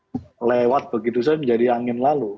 itu lewat begitu saja menjadi angin lalu